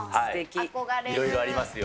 いろいろありますよ。